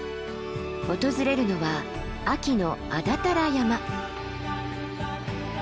訪れるのは秋の安達太良山。